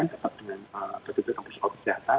tetap dengan berdiri kampus obisata